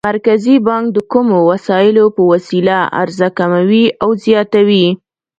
مرکزي بانک د کومو وسایلو په وسیله عرضه کموي او زیاتوي؟